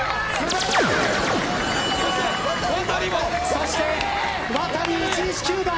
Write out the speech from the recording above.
そして、ワタリ１１９だ。